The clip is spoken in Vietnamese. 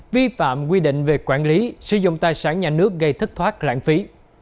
vi phạm quy định về quản lý sử dụng tài sản nhà nước gây thất thoát lãng phí